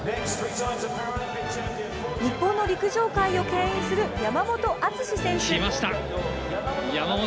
日本の陸上界をけん引する山本篤選手。